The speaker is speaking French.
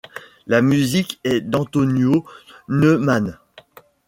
La musique est d'Antonio Neumane.